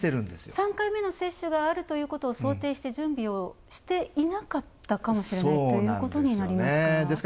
３回目接種があることを想定して準備をしていなかったかもしれないということになりますか。